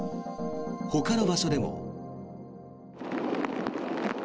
ほかの場所でも。